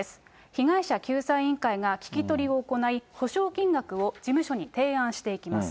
被害者救済委員会が聞き取りを行い、補償金額を事務所に提案していきます。